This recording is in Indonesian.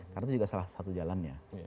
karena itu juga salah satu jalannya